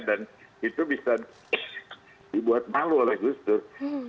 dan itu bisa dibuat malu oleh gus dur